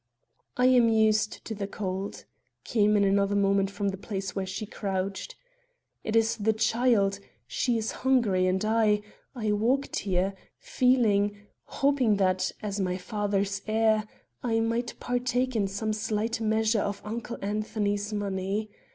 "I am used to the cold," came in another moment from the place where she crouched. "It is the child she is hungry; and I I walked here feeling, hoping that, as my father's heir, I might partake in some slight measure of Uncle Anthony's money.